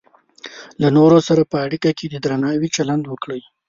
له نورو سره په اړیکه کې د درناوي چلند وکړئ.